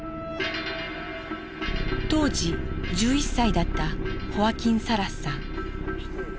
当時１１歳だったホワキン・サラスさん。